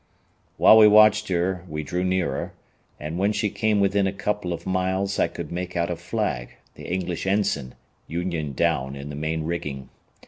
While we watched her we drew nearer, and when she came within a couple of miles I could make out a flag, the English ensign, union down, in the main rigging.